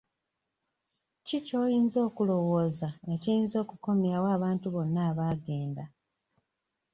Ki ky'oyinza okulowooza ekiyinza okukomyawo abantu bonna abaagenda.